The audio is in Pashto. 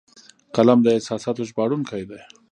قلم د احساساتو ژباړونکی دی